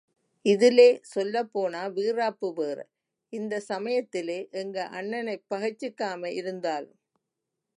இதுலே சொல்லப் போன... வீராப்பு வேறே இந்தச் சமயத்திலே எங்க அண்ணனேப் பகைச்சுக்காமே இருந்தாலும்